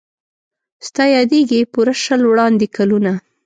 ستا یادیږي پوره شل وړاندي کلونه